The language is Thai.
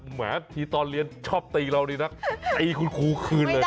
แหมทีตอนเรียนชอบตีเรานี่นะตีคุณครูคืนเลย